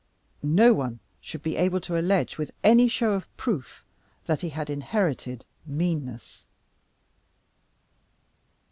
No one should be able to allege with any show of proof that he had inherited meanness.